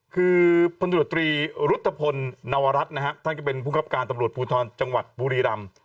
คือผู้โดรตรีรุธพลนวรัฐท่านก็เป็นผู้ครับการตำรวจภูทรจังหวัดปุรีรำ